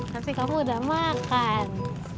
nanti kamu udah makan